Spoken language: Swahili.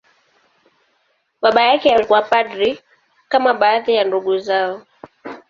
Baba yake alikuwa padri, kama baadhi ya ndugu zao.